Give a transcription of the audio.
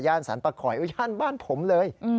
ย่านสันปะคอยย่านบ้านผมเลย